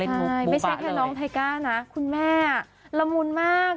ใช่ไม่ใช่แค่น้องไทก้านะคุณแม่ละมุนมาก